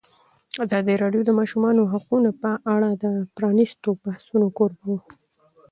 ازادي راډیو د د ماشومانو حقونه په اړه د پرانیستو بحثونو کوربه وه.